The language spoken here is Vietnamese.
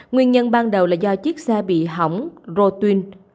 nguyên nhân ban đầu là do chiếc xe bị hỏng rotin